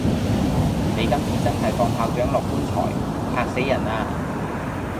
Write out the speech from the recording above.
你今次真係放炮仗落棺材——嚇死人呀！